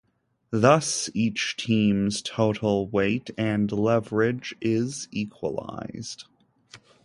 Thus each team's total weight and leverage is equalised.